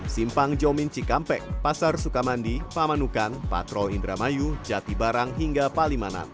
simpang jomin cikampek pasar sukamandi pamanukan patrol indramayu jatibarang hingga palimanan